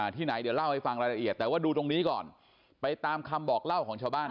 ที่ไหนเดี๋ยวเล่าให้ฟังรายละเอียดแต่ว่าดูตรงนี้ก่อนไปตามคำบอกเล่าของชาวบ้าน